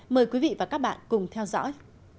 mời quý vị và các bạn cùng theo dõi